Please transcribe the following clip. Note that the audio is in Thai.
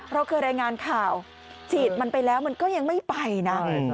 เราเคยรายงานข่าวฉีดมันไปแล้วมันก็ยังไม่ไปนะ